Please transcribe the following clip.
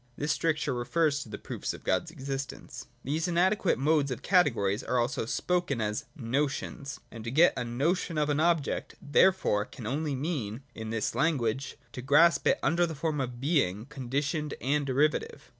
(This stricture refers to the proofs of God's existence.) These inadequate modes or categories are also spoken of as notions : and to get a notion of an object therefore can only mean, in this language, to grasp it under the form of being conditioned and derivative.